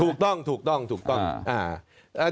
ถูกต้องถูกต้องถูกต้อง